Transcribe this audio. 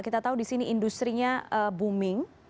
kita tahu di sini industri nya booming